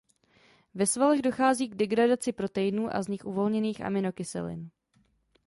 Ve svalech dochází k degradaci proteinů a z nich uvolněných aminokyselin.